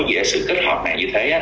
về sự kết hợp mạng như thế